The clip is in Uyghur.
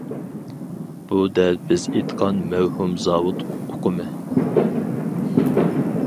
بۇ دەل بىز ئېيتقان مەۋھۇم زاۋۇت ئۇقۇمى.